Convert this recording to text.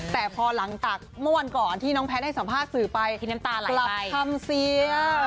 แต่พอหลังตักเมื่อวันก่อนที่น้องแพทรให้สัมภาษณ์สื่อไปกลับคำเสีย